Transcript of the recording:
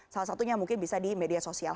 salah satunya mungkin bisa di media sosial